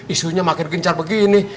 isunya makin gencar begini